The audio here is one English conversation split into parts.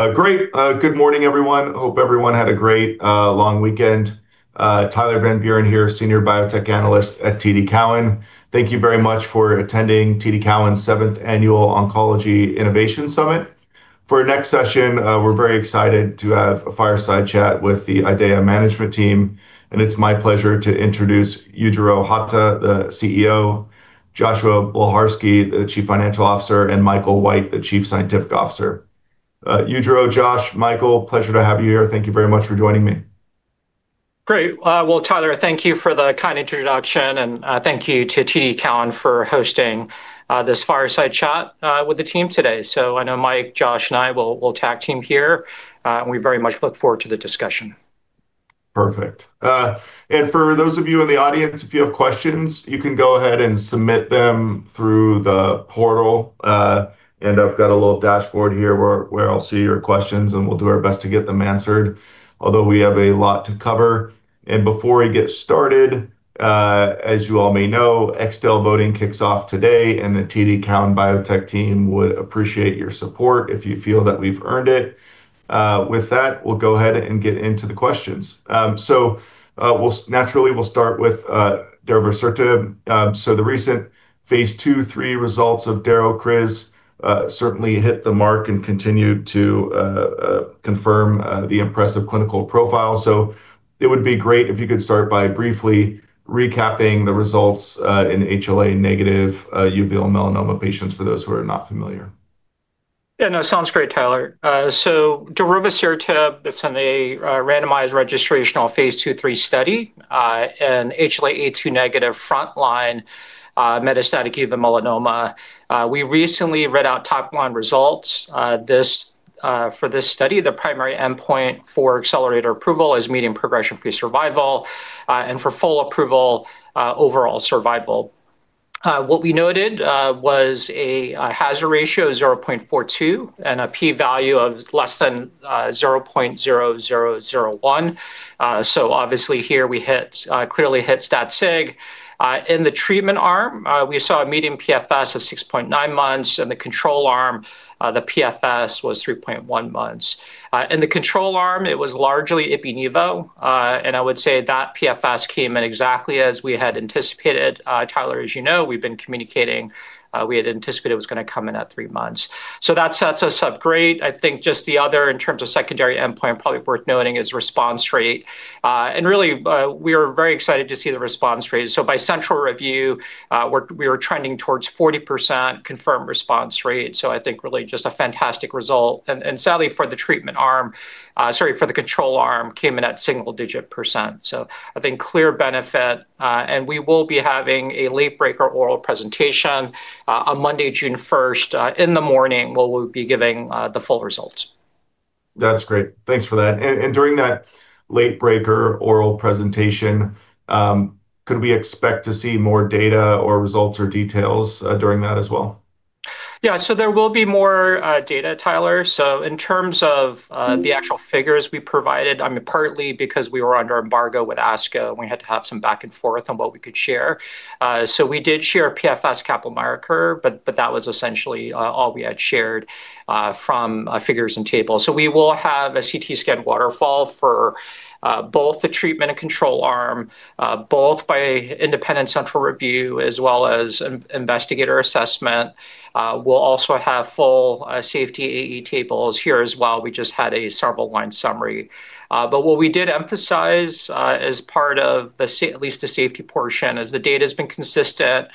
A great good morning everyone. Hope everyone had a great long weekend. Tyler Van Buren here, Senior Biotech Analyst at TD Cowen. Thank you very much for attending TD Cowen's seventh annual Oncology Innovation Summit. For our next session, we're very excited to have a fireside chat with the IDEAYA management team, and it's my pleasure to introduce Yujiro Hata, the CEO, Joshua Bleharski, the Chief Financial Officer, and Michael White, the Chief Scientific Officer. Yujiro, Josh, Michael, pleasure to have you here. Thank you very much for joining me. Great. Well, Tyler, thank you for the kind introduction, and thank you to TD Cowen for hosting this fireside chat with the team today. I know Mike, Josh, and I will tag team here. We very much look forward to the discussion. Perfect. For those of you in the audience, if you have questions, you can go ahead and submit them through the portal. I've got a little dashboard here where I'll see your questions, and we'll do our best to get them answered, although we have a lot to cover. Before we get started, as you all may know, Extel voting kicks off today, and the TD Cowen Biotech team would appreciate your support if you feel that we've earned it. With that, we'll go ahead and get into the questions. Naturally, we'll start with darovasertib. The recent phase II/III results of darocriz certainly hit the mark and continued to confirm the impressive clinical profile. It would be great if you could start by briefly recapping the results in HLA-negative uveal melanoma patients for those who are not familiar. Yeah, no, sounds great, Tyler. Darovasertib, it's in a randomized registrational phase II/III study in HLA-A*02-negative frontline metastatic uveal melanoma. We recently read out top-line results for this study. The primary endpoint for accelerated approval is median progression-free survival, and for full approval, overall survival. What we noted was a hazard ratio of 0.42 and a p-value of less than 0.0001. Clearly hits that sig. In the treatment arm, we saw a median PFS of 6.9 months. In the control arm, the PFS was 3.1 months. In the control arm, it was largely ipi/nivo, and I would say that PFS came in exactly as we had anticipated. Tyler, as you know, we've been communicating, we had anticipated it was going to come in at three months. That sets us up great. I think just the other, in terms of secondary endpoint, probably worth noting is response rate. Really, we were very excited to see the response rate. By central review, we were trending towards 40% confirmed response rate. I think really just a fantastic result. Sadly for the control arm, came in at single-digit percent. I think clear benefit. We will be having a late breaker oral presentation on Monday, June 1st, in the morning, where we'll be giving the full results. That's great. Thanks for that. During that late breaker oral presentation, could we expect to see more data or results or details during that as well? There will be more data, Tyler. In terms of the actual figures we provided, partly because we were under embargo with ASCO, and we had to have some back and forth on what we could share. We did share a PFS Kaplan-Meier curve, but that was essentially all we had shared from figures and tables. We will have a CT scan waterfall for both the treatment and control arm, both by independent central review as well as investigator assessment. We will also have full safety AE tables here as well. We just had a several line summary. What we did emphasize as part of at least the safety portion is the data's been consistent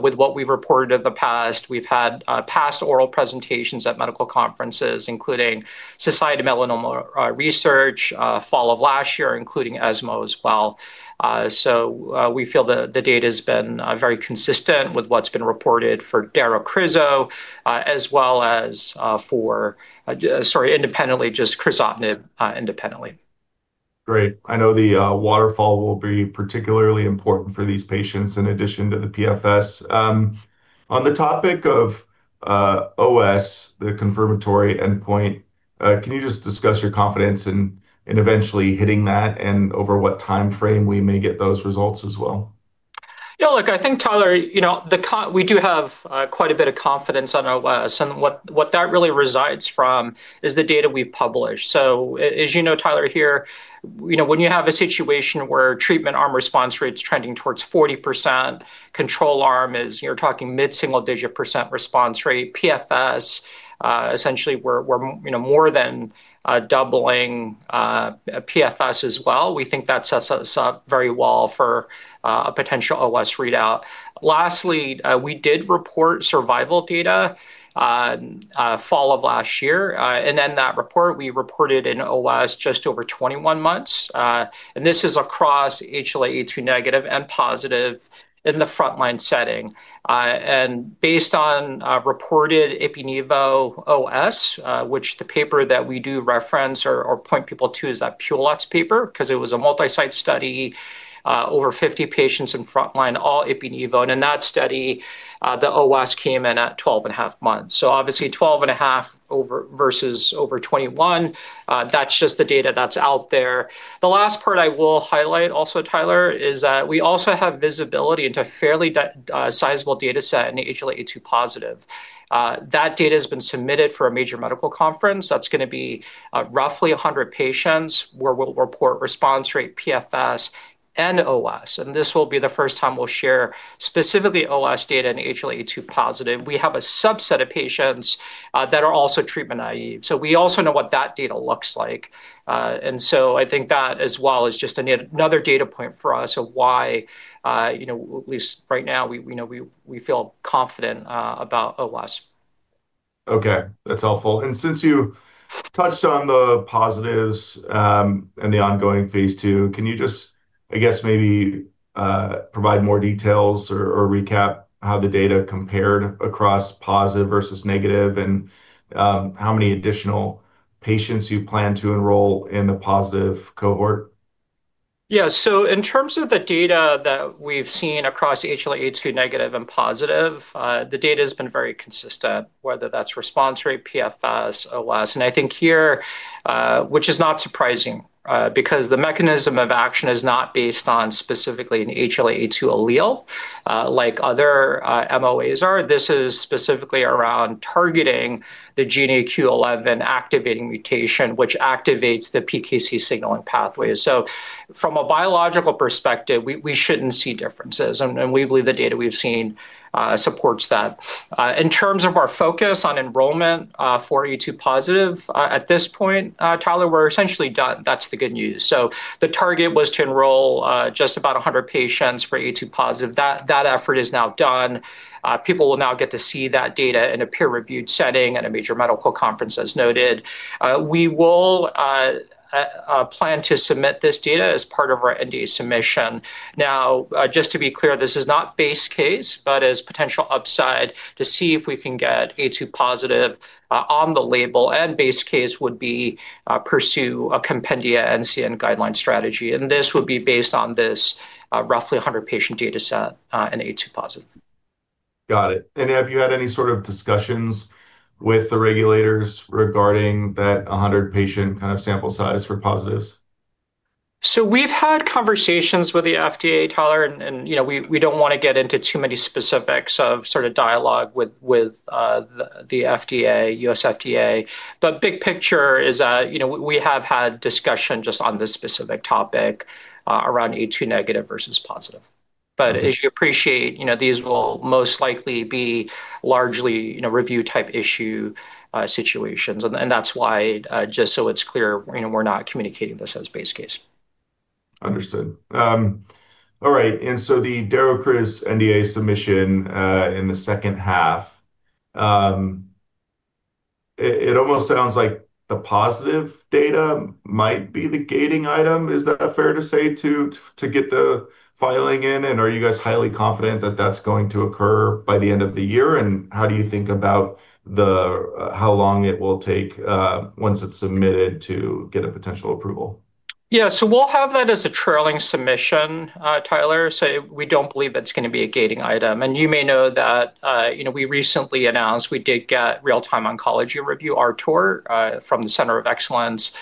with what we've reported in the past. We've had past oral presentations at medical conferences, including Society of Melanoma Research, fall of last year, including ESMO as well. We feel that the data's been very consistent with what's been reported for darocrizo. Sorry, just crizotinib independently. Great. I know the waterfall will be particularly important for these patients in addition to the PFS. On the topic of OS, the confirmatory endpoint, can you just discuss your confidence in eventually hitting that and over what timeframe we may get those results as well? Look, I think, Tyler, we do have quite a bit of confidence on OS, and what that really resides from is the data we publish. As you know, Tyler, here, when you have a situation where treatment arm response rate's trending towards 40%, control arm is, you're talking mid-single digit percent response rate, PFS, essentially, we're more than doubling PFS as well. We think that sets us up very well for a potential OS readout. Lastly, we did report survival data fall of last year. In that report, we reported an OS just over 21 months. This is across HLA-A*02- negative and positive in the frontline setting. Based on reported ipi/nivo OS, which the paper that we do reference or point people to is that Piulats paper, because it was a multi-site study, over 50 patients in frontline, all ipi/nivo. In that study, the OS came in at 12.5 months. Obviously, 12.5 versus over 21, that's just the data that's out there. The last part I will highlight also, Tyler, is that we also have visibility into a fairly sizable data set in HLA-A*02 positive. That data has been submitted for a major medical conference. That's going to be roughly 100 patients where we'll report response rate PFS and OS. This will be the first time we'll share specifically OS data in HLA-A*02 positive. We have a subset of patients that are also treatment naive. We also know what that data looks like. I think that as well is just another data point for us of why at least right now, we feel confident about OS. Okay, that's helpful. Since you touched on the positives and the ongoing phase II, can you just, I guess maybe provide more details or recap how the data compared across positive versus negative, and how many additional patients you plan to enroll in the positive cohort? Yeah. In terms of the data that we've seen across HLA-A2-negative and positive, the data's been very consistent, whether that's response rate, PFS, OS. I think here, which is not surprising, because the mechanism of action is not based on specifically an HLA-A2 allele, like other MOAs are. This is specifically around targeting the GNAQ/11 activating mutation, which activates the PKC signaling pathway. From a biological perspective, we shouldn't see differences, and we believe the data we've seen supports that. In terms of our focus on enrollment for A2-positive at this point, Tyler, we're essentially done. That's the good news. The target was to enroll just about 100 patients for A2-positive. That effort is now done. People will now get to see that data in a peer-reviewed setting at a major medical conference, as noted. We will plan to submit this data as part of our NDA submission. Just to be clear, this is not base case, but as potential upside to see if we can get A2-positive on the label, and base case would be pursue a compendia NCCN guideline strategy, and this would be based on this roughly 100-patient data set in A2-positive. Got it. Have you had any sort of discussions with the regulators regarding that 100-patient kind of sample size for positives? We've had conversations with the FDA, Tyler, and we don't want to get into too many specifics of sort of dialogue with the FDA, U.S. FDA. Big picture is we have had discussion just on this specific topic around A2-negative versus positive. As you appreciate, these will most likely be largely review type issue situations. That's why, just so it's clear, we're not communicating this as base case. Understood. All right, the darocriz NDA submission in the second half. It almost sounds like the positive data might be the gating item. Is that fair to say to get the filing in? Are you guys highly confident that that's going to occur by the end of the year? How do you think about how long it will take once it's submitted to get a potential approval? Yeah, we'll have that as a trailing submission, Tyler. We don't believe it's going to be a gating item. You may know that we recently announced we did get Real-Time Oncology Review, RTOR, from the Center of Excellence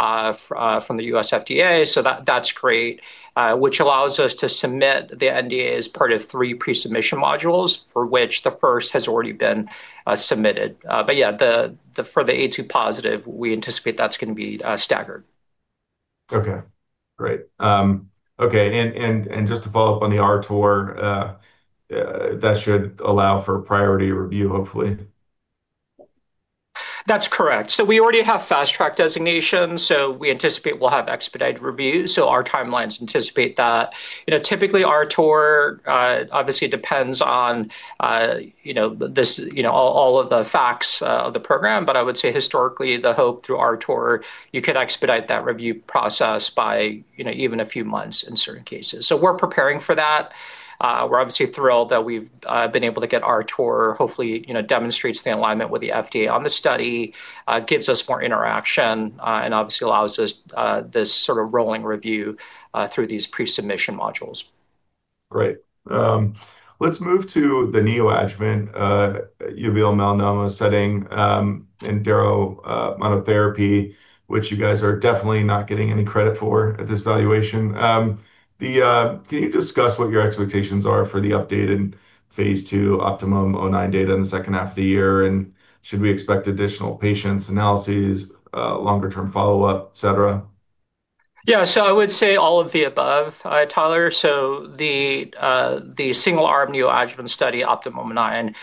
from the U.S. FDA, that's great, which allows us to submit the NDA as part of three pre-submission modules, for which the first has already been submitted. Yeah, for the A2-positive, we anticipate that's going to be staggered. Okay, great. Just to follow up on the RTOR, that should allow for priority review, hopefully. That's correct. We already have Fast Track designation, so we anticipate we'll have expedited review. Our timelines anticipate that. Typically, RTOR obviously depends on all of the facts of the program, but I would say historically, the hope through RTOR, you could expedite that review process by even a few months in certain cases. We're preparing for that. We're obviously thrilled that we've been able to get RTOR. Hopefully, it demonstrates the alignment with the FDA on the study, gives us more interaction, and obviously allows us this sort of rolling review through these pre-submission modules. Great. Let's move to the neoadjuvant uveal melanoma setting in darov monotherapy, which you guys are definitely not getting any credit for at this valuation. Can you discuss what your expectations are for the updated phase II OptimUM-09 data in the second half of the year, and should we expect additional patients, analyses, longer-term follow-up, et cetera? I would say all of the above, Tyler. The single-arm neoadjuvant study OptimUM-09,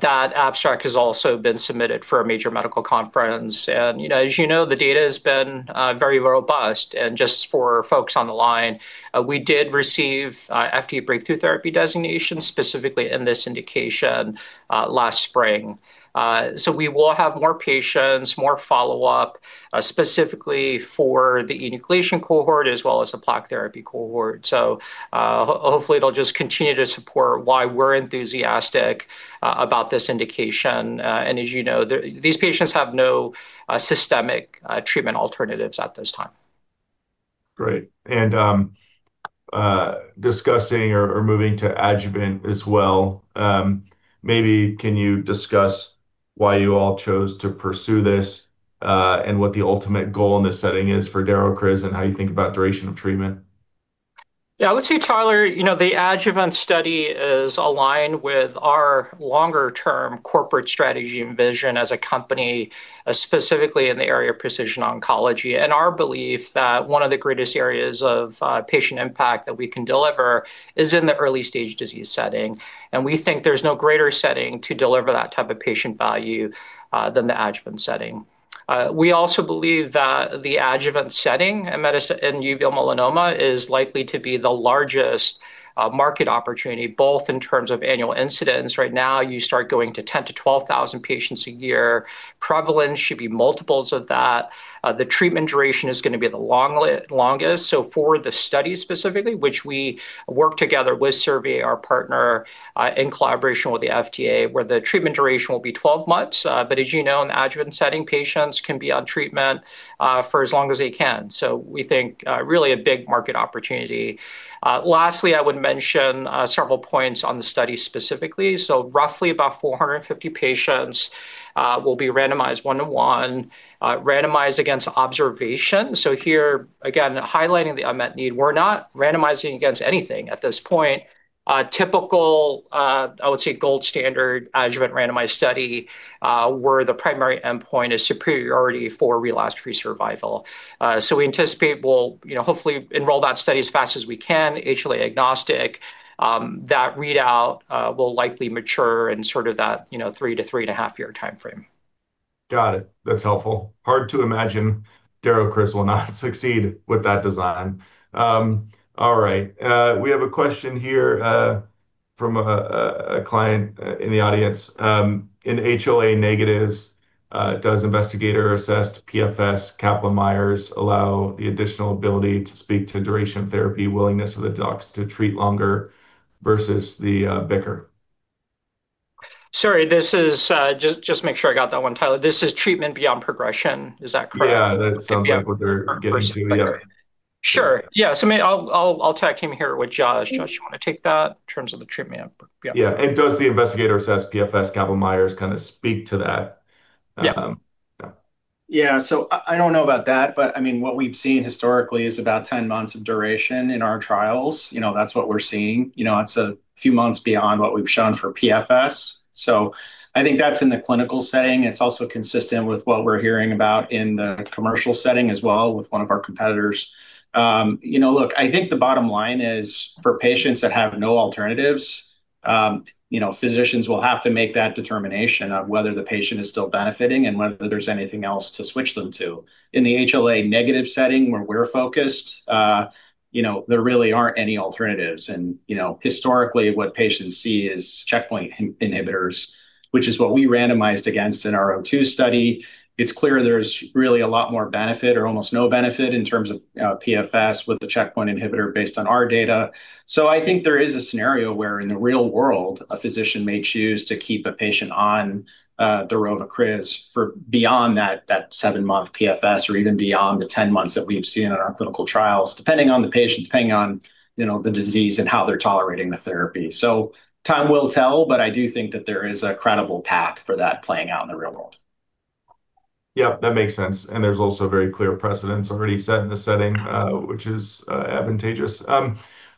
that abstract has also been submitted for a major medical conference. As you know, the data has been very robust. Just for folks on the line, we did receive FDA Breakthrough Therapy designation specifically in this indication last spring. We will have more patients, more follow-up, specifically for the enucleation cohort as well as the plaque therapy cohort. Hopefully it will just continue to support why we are enthusiastic about this indication. As you know, these patients have no systemic treatment alternatives at this time. Great. Discussing or moving to adjuvant as well, maybe can you discuss why you all chose to pursue this, and what the ultimate goal in this setting is for darocriz and how you think about duration of treatment? Yeah, I would say, Tyler, the adjuvant study is aligned with our longer-term corporate strategy and vision as a company, specifically in the area of precision oncology, and our belief that one of the greatest areas of patient impact that we can deliver is in the early-stage disease setting. We think there's no greater setting to deliver that type of patient value than the adjuvant setting. We also believe that the adjuvant setting in uveal melanoma is likely to be the largest market opportunity, both in terms of annual incidence. Right now, you start going to 10,000 to 12,000 patients a year. Prevalence should be multiples of that. The treatment duration is going to be the longest. For the study specifically, which we work together with Servier, our partner, in collaboration with the FDA, where the treatment duration will be 12 months. As you know, in adjuvant setting, patients can be on treatment for as long as they can. We think really a big market opportunity. Lastly, I would mention several points on the study specifically. Roughly about 450 patients will be randomized one-on-one, randomized against observation. Here, again, highlighting the unmet need. We're not randomizing against anything at this point. A typical, I would say gold standard adjuvant randomized study, where the primary endpoint is superiority for relapse-free survival. We anticipate we'll hopefully enroll that study as fast as we can, HLA agnostic. That readout will likely mature in sort of that three to three and a half year timeframe. Got it. That's helpful. Hard to imagine darocriz will not succeed with that design. All right. We have a question here from a client in the audience. In HLA negatives, does investigator-assessed PFS Kaplan-Meier allow the additional ability to speak to duration therapy, willingness of the docs to treat longer versus the BICR Sorry, just make sure I got that one, Tyler. This is treatment beyond progression. Is that correct? Yeah, that sounds like what they're getting to, yeah. Sure. Yeah. Maybe I'll tack in here with Josh. Josh, do you want to take that in terms of the treatment beyond? Yeah. Does the investigator-assessed PFS Kaplan-Meier kind of speak to that? Yeah. I don't know about that, but what we've seen historically is about 10 months of duration in our trials. That's what we're seeing. It's a few months beyond what we've shown for PFS. I think that's in the clinical setting. It's also consistent with what we're hearing about in the commercial setting as well with one of our competitors. Look, I think the bottom line is for patients that have no alternatives, physicians will have to make that determination on whether the patient is still benefiting and whether there's anything else to switch them to. In the HLA negative setting where we're focused, there really aren't any alternatives, and historically what patients see is checkpoint inhibitors, which is what we randomized against in our O2 study. It's clear there's really a lot more benefit or almost no benefit in terms of PFS with the checkpoint inhibitor based on our data. I think there is a scenario where in the real world, a physician may choose to keep a patient on darovocriz for beyond that seven-month PFS or even beyond the 10 months that we've seen in our clinical trials, depending on the patient, depending on the disease and how they're tolerating the therapy. Time will tell, but I do think that there is a credible path for that playing out in the real world. Yep, that makes sense, and there's also very clear precedents already set in the setting, which is advantageous.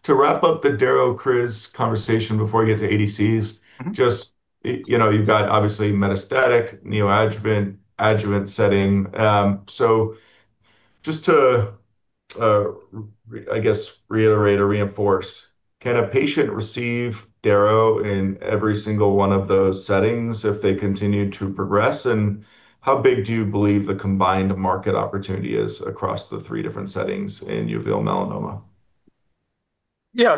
To wrap up the darocriz conversation before we get to ADCs, just you've got obviously metastatic, neo-adjuvant setting. Just to, I guess, reiterate or reinforce, can a patient receive daro in every single one of those settings if they continue to progress? How big do you believe the combined market opportunity is across the three different settings in uveal melanoma? Yeah.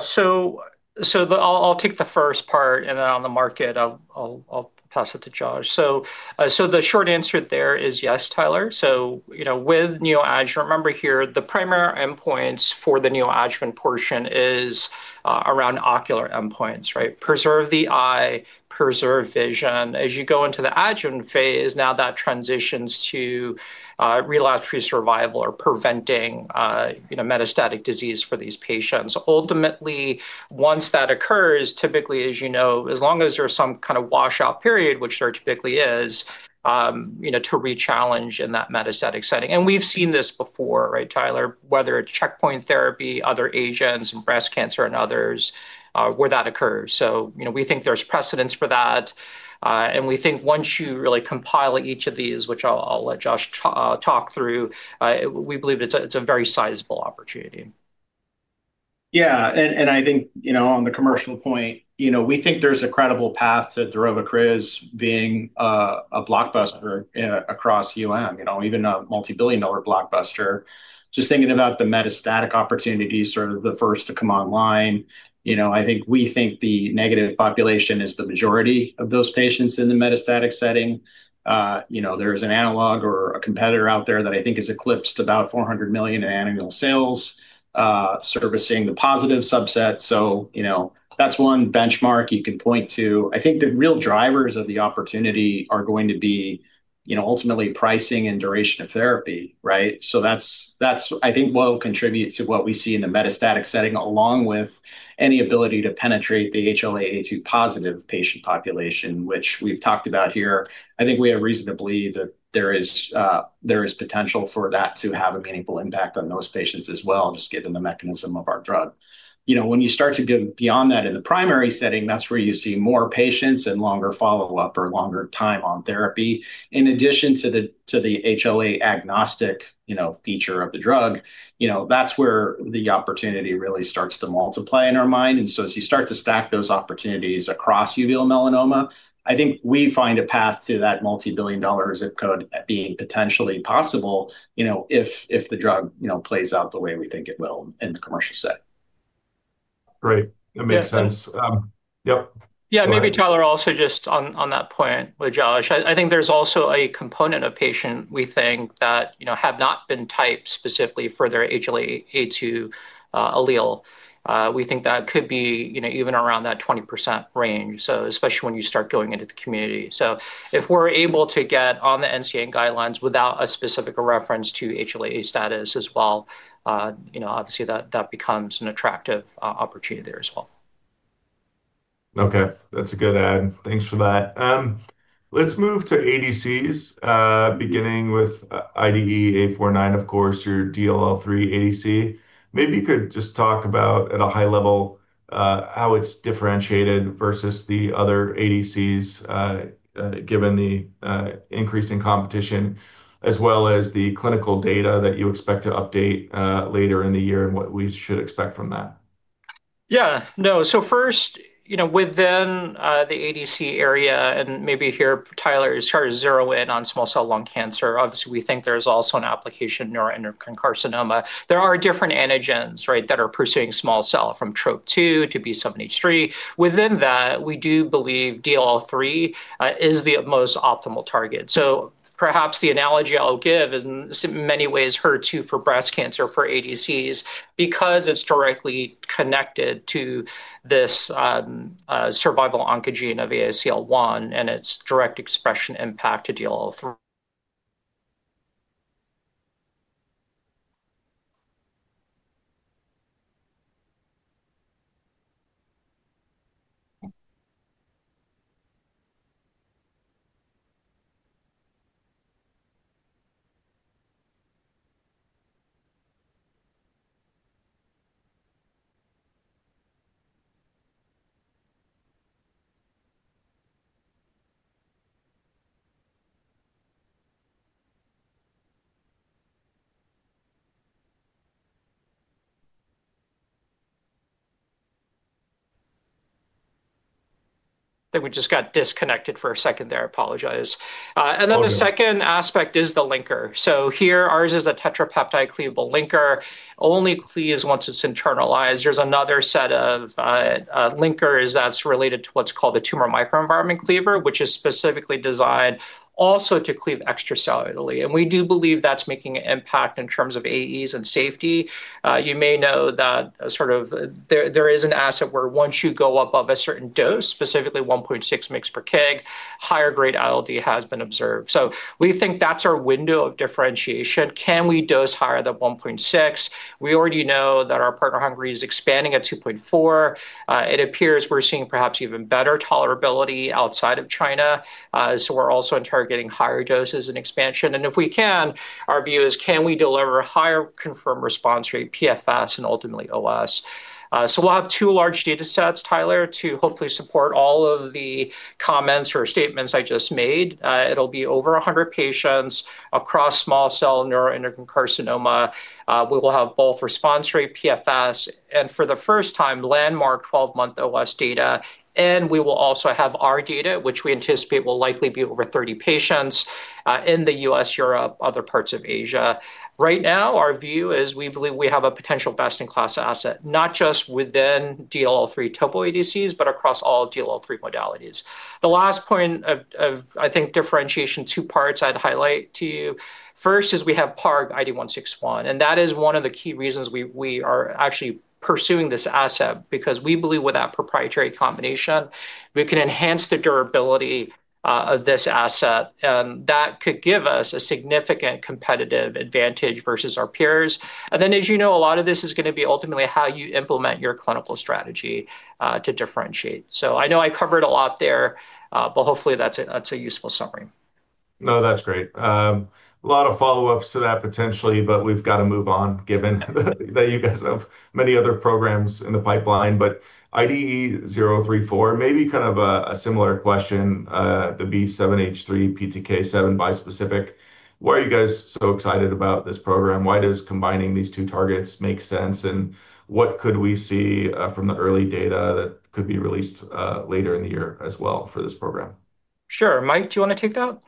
I'll take the first part, and then on the market, I'll pass it to Josh. The short answer there is yes, Tyler. With neo-adjuvant, remember here, the primary endpoints for the neo-adjuvant portion is around ocular endpoints, right? Preserve the eye, preserve vision. As you go into the adjuvant phase, now that transitions to relapse-free survival or preventing metastatic disease for these patients. Ultimately, once that occurs, typically, as you know, as long as there's some kind of washout period, which there typically is, to rechallenge in that metastatic setting. We've seen this before, right, Tyler? Whether it's checkpoint therapy, other agents in breast cancer and others, where that occurs. We think there's precedents for that, and we think once you really compile each of these, which I'll let Josh talk through, we believe it's a very sizable opportunity. I think on the commercial point, we think there's a credible path to darovacriz being a blockbuster across UM, even a multi-billion dollar blockbuster. Just thinking about the metastatic opportunity, sort of the first to come online. I think we think the negative population is the majority of those patients in the metastatic setting. There's an analog or a competitor out there that I think has eclipsed about $400 million in annual sales, servicing the positive subset. That's one benchmark you could point to. I think the real drivers of the opportunity are going to be ultimately pricing and duration of therapy, right? That I think will contribute to what we see in the metastatic setting, along with any ability to penetrate the HLA-A*02-positive patient population, which we've talked about here. I think we have reason to believe that there is potential for that to have a meaningful impact on those patients as well, just given the mechanism of our drug. When you start to get beyond that in the primary setting, that's where you see more patients and longer follow-up or longer time on therapy. In addition to the HLA agnostic feature of the drug, that's where the opportunity really starts to multiply in our mind. As you start to stack those opportunities across uveal melanoma, I think we find a path to that multi-billion dollar zip code being potentially possible, if the drug plays out the way we think it will in the commercial setting. Right. That makes sense. Yep. Yeah. Maybe, Tyler, also just on that point with Josh, I think there's also a component of patients we think that have not been typed specifically for their HLA-A*02 allele. We think that could be even around that 20% range, especially when you start going into the community. If we're able to get on the NCCN guidelines without a specific reference to HLA-A status as well, obviously, that becomes an attractive opportunity there as well. Okay. That's a good add. Thanks for that. Let's move to ADCs, beginning with IDE849, of course, your DLL3 ADC. Maybe you could just talk about, at a high level, how it's differentiated versus the other ADCs, given the increasing competition, as well as the clinical data that you expect to update later in the year and what we should expect from that. Yeah. No. First, within the ADC area, maybe here, Tyler, sort of zero-in on small cell lung cancer, obviously, we think there's also an application neuroendocrine carcinoma. There are different antigens that are pursuing small cell from TROP-2 to B7-H3. Within that, we do believe DLL3 is the most optimal target. Perhaps the analogy I'll give is in many ways HER2 for breast cancer for ADCs because it's directly connected to this survival oncogene of ASCL1 and its direct expression impact on DLL3. We just got disconnected for a second there. I apologize. No problem. The second aspect is the linker. Here, ours is a tetrapeptide cleavable linker. Only cleaves once it's internalized. There's another set of linkers that's related to what's called the tumor microenvironment cleavable, which is specifically designed also to cleave extracellularly. We do believe that's making an impact in terms of AEs and safety. You may know that there is an asset where once you go above a certain dose, specifically 1.6 mg/kg, higher grade ILD has been observed. We think that's our window of differentiation. Can we dose higher than 1.6 mg/kg? We already know that our partner Hengrui Pharma is expanding at 2.4 mg/kg. It appears we're seeing perhaps even better tolerability outside of China. We're also targeting higher doses and expansion. If we can, our view is can we deliver a higher confirmed response rate, PFS, and ultimately OS? We'll have two large data sets, Tyler, to hopefully support all of the comments or statements I just made. It'll be over 100 patients across small cell neuroendocrine carcinoma. We will have both response rate PFS and for the first time, landmark 12-month OS data. We will also have our data, which we anticipate will likely be over 30 patients in the U.S., Europe, other parts of Asia. Right now, our view is we believe we have a potential best-in-class asset, not just within DLL3 topo ADCs, but across all DLL3 modalities. The last point of, I think, differentiation, two parts I'd highlight to you. First is we have PARG IDE161, and that is one of the key reasons we are actually pursuing this asset because we believe with that proprietary combination, we can enhance the durability of this asset. That could give us a significant competitive advantage versus our peers. As you know, a lot of this is going to be ultimately how you implement your clinical strategy to differentiate. I know I covered a lot there, but hopefully that's a useful summary. No, that's great. A lot of follow-ups to that potentially, but we've got to move on given that you guys have many other programs in the pipeline. IDE034, maybe kind of a similar question, the B7-H3/PTK7 bispecific. Why are you guys so excited about this program? Why does combining these two targets make sense? What could we see from the early data that could be released later in the year as well for this program? Sure. Mike, do you want to take that?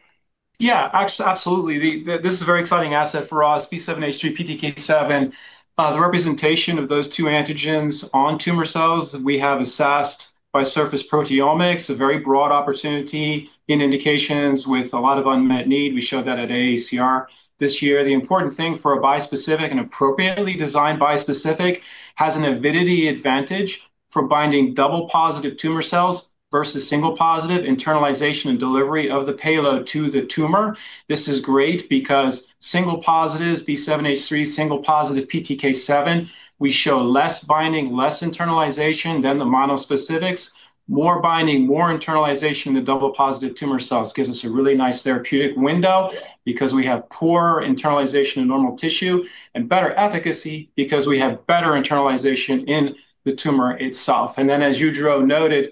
Absolutely. This is a very exciting asset for us, B7-H3/PTK7. The representation of those two antigens on tumor cells that we have assessed by surface proteomics, a very broad opportunity in indications with a lot of unmet need. We showed that at AACR this year. The important thing for a bispecific, an appropriately designed bispecific, has an avidity advantage for binding double positive tumor cells versus single positive internalization delivery of the payload to the tumor. This is great because single positive B7-H3, single positive PTK7, we show less binding, less internalization than the monospecifics. More binding, more internalization of the double positive tumor cells gives us a really nice therapeutic window because we have poorer internalization of normal tissue and better efficacy because we have better internalization in the tumor itself. As Yujiro noted,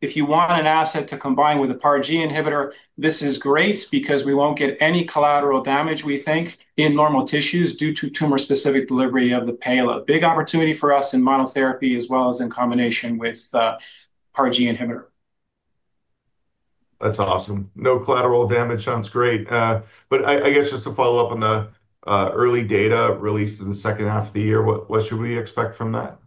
if you want an asset to combine with a PARG inhibitor, this is great because we won't get any collateral damage, we think, in normal tissues due to tumor-specific delivery of the payload. Big opportunity for us in monotherapy as well as in combination with PARG inhibitor. That's awesome. No collateral damage sounds great. I guess just to follow up on the early data release in the second half of the year, what should we expect from that?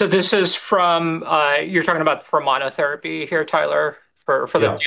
You're talking about for monotherapy here, Tyler, for the?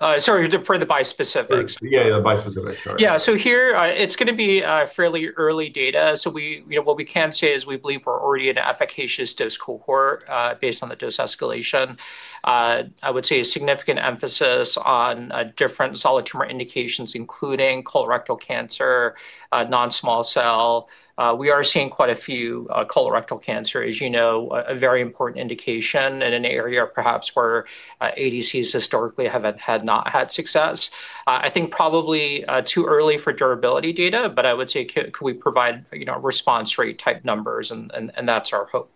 Yeah Sorry, for the bispecific. Yeah, the bispecific, sorry. Yeah. Here, it's going to be fairly early data. What we can say is we believe we're already in an efficacious dose cohort based on the dose escalation. I would say a significant emphasis on different solid tumor indications, including colorectal cancer, non-small cell. We are seeing quite a few colorectal cancer, as you know, a very important indication in an area perhaps where ADCs historically have had not had success. I think probably too early for durability data, but I would say we provide response rate type numbers, and that's our hope.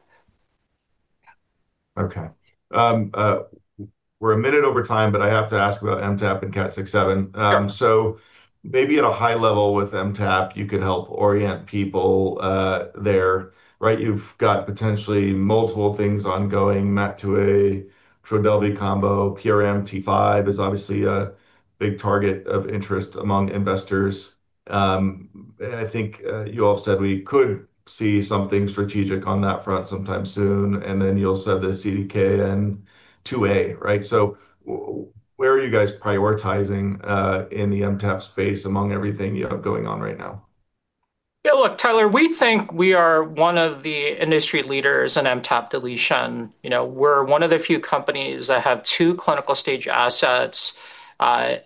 Okay. We're a minute over time, but I have to ask about MTAP and KAT6/7. Maybe at a high level with MTAP, you could help orient people there. You've got potentially multiple things ongoing, MAT2A, TRODELVY combo, PRMT5 is obviously a big target of interest among investors. I think you all said we could see something strategic on that front sometime soon, you all said the CDKN2A. Where are you guys prioritizing in the MTAP space among everything you have going on right now? Yeah. Look, Tyler, we think we are one of the industry leaders in MTAP deletion. We're one of the few companies that have two clinical stage assets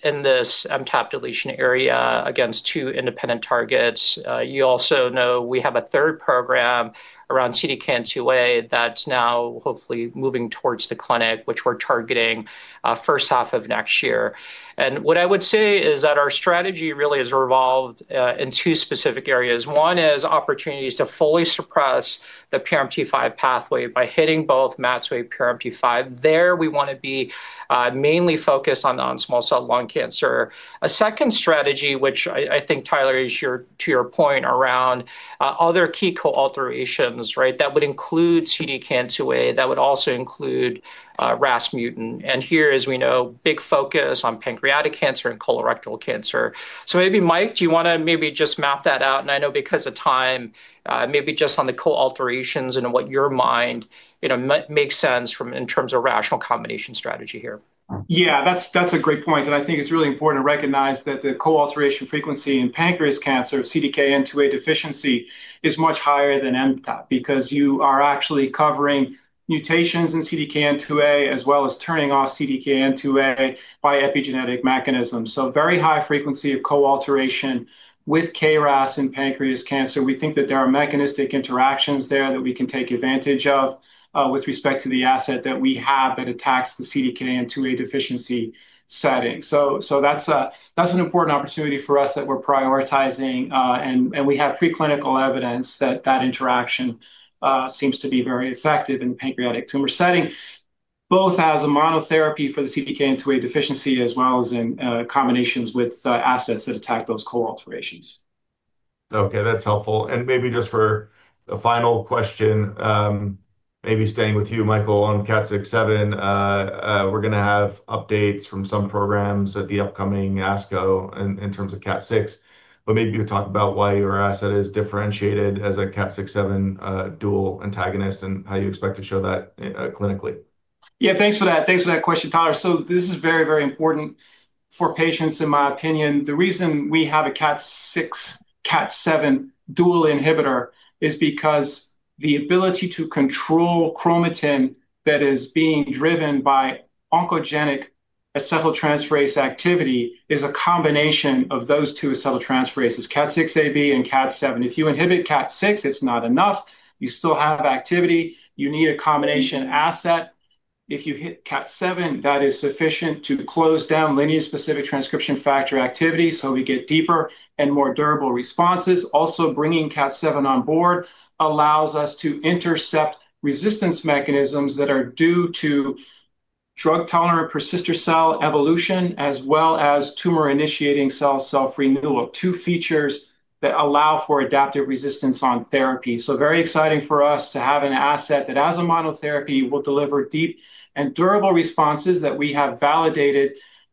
in this MTAP deletion area against two independent targets. You also know we have a third program around CDKN2A that's now hopefully moving towards the clinic, which we're targeting first half of next year. What I would say is that our strategy really has revolved in two specific areas. One is opportunities to fully suppress the PRMT5 pathway by hitting both MAT2A PRMT5. There, we want to be mainly focused on non-small cell lung cancer. A second strategy, which I think Tyler is to your point around other key coalterations. That would include CDKN2A, that would also include RAS mutant. Here, as we know, big focus on pancreatic cancer and colorectal cancer. Maybe, Mike, do you want to maybe just map that out? I know because of time, maybe just on the co-alterations and what your mind makes sense from in terms of rational combination strategy here. That's a great point. I think it's really important to recognize that the coalteration frequency in pancreatic cancer, CDKN2A deficiency, is much higher than MTAP because you are actually covering mutations in CDKN2A as well as turning off CDKN2A by epigenetic mechanisms. Very high frequency of coalteration with KRAS in pancreas cancer. We think that there are mechanistic interactions there that we can take advantage of with respect to the asset that we have that attacks the CDKN2A deficiency setting. That's an important opportunity for us that we're prioritizing, and we have preclinical evidence that that interaction seems to be very effective in pancreatic tumor setting, both as a monotherapy for the CDKN2A deficiency as well as in combinations with assets that attack those coalterations. Okay, that's helpful. Maybe just for the final question, maybe staying with you, Michael, on KAT6/7. We're going to have updates from some programs at the upcoming ASCO in terms of KAT6, but maybe you can talk about why your asset is differentiated as a KAT6/7 dual antagonist and how you expect to show that clinically. Yeah, thanks for that question, Tyler. This is very, very important for patients in my opinion. The reason we have a KAT6/KAT7 dual inhibitor is because the ability to control chromatin that is being driven by oncogenic acetyltransferase activity is a combination of those two acetyltransferases, KAT6A/B, and KAT7. If you inhibit KAT6, it's not enough. You still have activity. You need a combination asset. If you hit KAT7, that is sufficient to close down lineage-specific transcription factor activity, so we get deeper and more durable responses. Also, bringing KAT7 on board allows us to intercept resistance mechanisms that are due to drug-tolerant persister cell evolution, as well as tumor-initiating cell self-renewal of two features that allow for adaptive resistance on therapy. Very exciting for us to have an asset that as a monotherapy, will deliver deep and durable responses that we have validated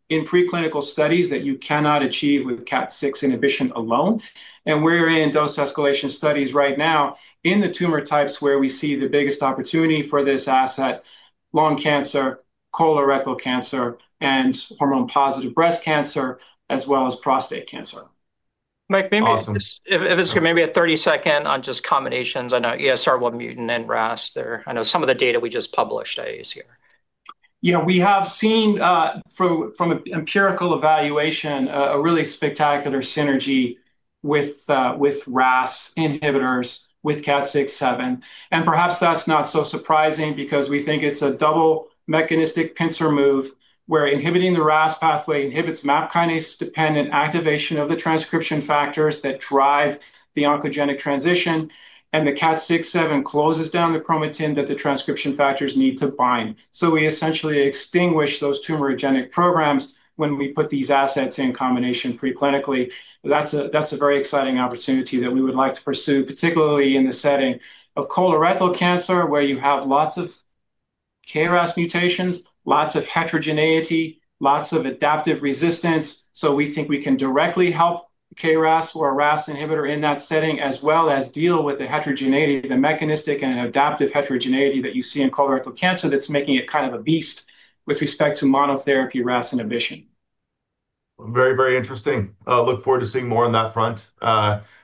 in preclinical studies that you cannot achieve with KAT6 inhibition alone. We're in dose escalation studies right now in the tumor types where we see the biggest opportunity for this asset, lung cancer, colorectal cancer, and hormone-positive breast cancer, as well as prostate cancer. Awesome. Michael, maybe just a 30-second on just combinations on ESR1 mutant and RAS there. I know some of the data we just published is here. Yeah, we have seen from an empirical evaluation, a really spectacular synergy with RAS inhibitors with KAT6/7. Perhaps that's not so surprising because we think it's a double mechanistic pincer move where inhibiting the RAS pathway inhibits MAP kinase-dependent activation of the transcription factors that drive the oncogenic transition, and the KAT6/7 closes down the chromatin that the transcription factors need to bind. We essentially extinguish those tumorigenic programs when we put these assets in combination preclinically. That's a very exciting opportunity that we would like to pursue, particularly in the setting of colorectal cancer, where you have lots of KRAS mutations, lots of heterogeneity, lots of adaptive resistance. We think we can directly help KRAS or a RAS inhibitor in that setting, as well as deal with the heterogeneity, the mechanistic and adaptive heterogeneity that you see in colorectal cancer that's making it kind of a beast with respect to monotherapy RAS inhibition. Very, very interesting. Look forward to seeing more on that front.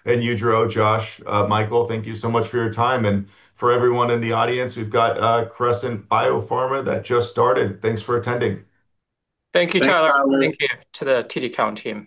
You too, Josh. Michael, thank you so much for your time. For everyone in the audience, we've got Crescent Biopharma that just started. Thanks for attending. Thank you, Tyler. Thank you. Thank you to the TD Cowen team.